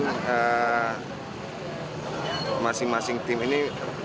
dan masing masing tim ini